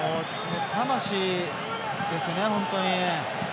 魂ですよね、本当に。